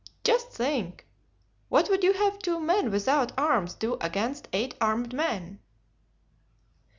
Just think. What would you have two men without arms do against eight armed men?"